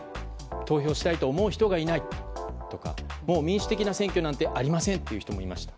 投票したいと思う人がいないとかもう民主的な選挙なんてありませんという人もいました。